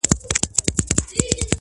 • نن یې رنګ د شګوفو بوی د سکروټو -